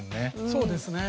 そうですね。